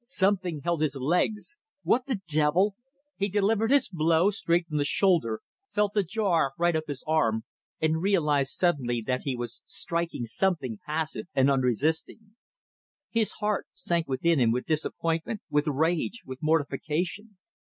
Something held his legs ... What the devil ... He delivered his blow straight from the shoulder, felt the jar right up his arm, and realized suddenly that he was striking something passive and unresisting. His heart sank within him with disappointment, with rage, with mortification.